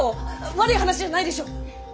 悪い話じゃないでしょう！？